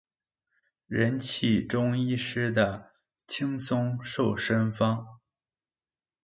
人氣中醫師的輕鬆瘦身方